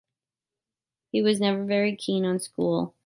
He was never very keen on school.